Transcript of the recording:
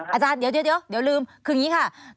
อาจารย์เดี๋ยวลืมคืออย่างนี้ค่ะ